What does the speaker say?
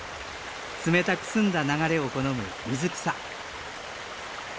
冷たく澄んだ流れを好む水草。